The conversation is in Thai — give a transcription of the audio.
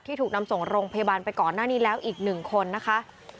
ถูกนำส่งโรงพยาบาลไปก่อนหน้านี้แล้วอีก๑คนนะคะ